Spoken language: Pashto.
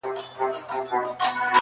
چاته وايي په نړۍ کي پهلوان یې٫